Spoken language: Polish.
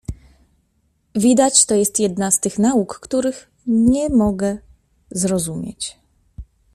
"Widać to jest jedna z tych nauk, których nie mogę zrozumieć."